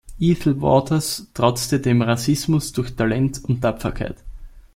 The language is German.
Ethel Waters trotzte dem Rassismus durch Talent und Tapferkeit.